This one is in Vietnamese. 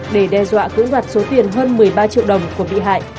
để đe dọa cưỡng đoạt số tiền hơn một mươi ba triệu đồng của bị hại